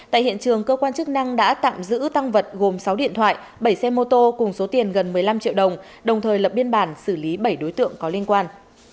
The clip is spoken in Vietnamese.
tại hiện trường cơ quan chức năng đã tạm giữ tăng vật gồm sáu điện thoại bảy xe mô tô cùng số tiền gần một mươi năm triệu đồng đồng thời lập biên bản xử lý bảy đối tượng có liên quan